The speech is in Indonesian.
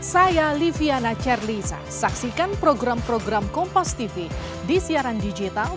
saya liviana charlisa saksikan program program kompas tv di siaran digital